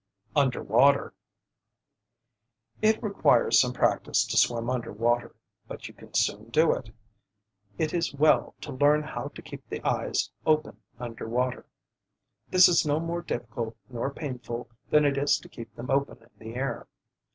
UNDER WATER It requires some practice to swim under water, but you can soon do it. It is well to learn how to keep the eyes open under water. This is no more difficult nor painful than it is to keep them open in the air.